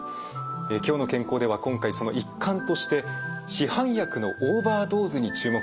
「きょうの健康」では今回その一貫として市販薬のオーバードーズに注目することにしました。